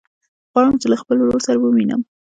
غواړم چې له خپل ورور سره ووينم.